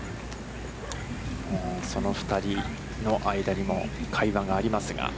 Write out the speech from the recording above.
その２人の間にも、会話がありますが。